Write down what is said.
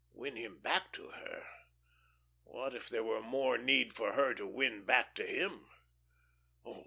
Win him back to her? What if there were more need for her to win back to him?